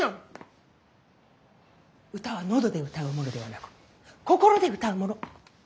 歌は喉で歌うものではなく心で歌うもの。